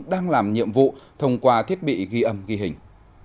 đang làm nhiệm vụ thông qua thiết bị ghi âm ghi hình